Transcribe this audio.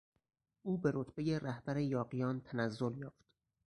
او به رتبهی رهبر یاغیان تنزل یافت.